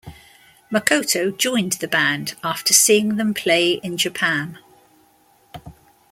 Makoto joined the band after seeing them play in Japan.